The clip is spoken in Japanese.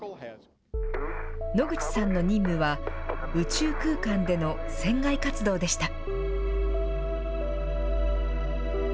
野口さんの任務は、宇宙空間での船外活動でした。